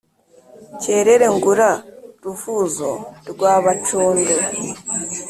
cyerere ngura ruvuzo rwa bacondo